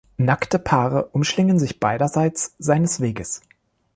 Nackte Paare umschlingen sich beiderseits seines Weges.